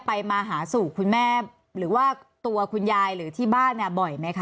มาหาสู่คุณแม่หรือว่าตัวคุณยายหรือที่บ้านเนี่ยบ่อยไหมคะ